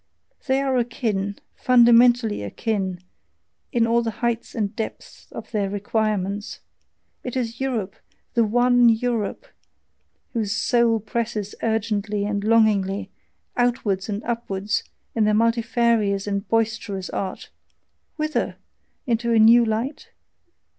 They are akin, fundamentally akin, in all the heights and depths of their requirements; it is Europe, the ONE Europe, whose soul presses urgently and longingly, outwards and upwards, in their multifarious and boisterous art whither? into a new light?